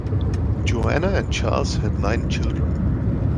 Joanna and Charles had nine children.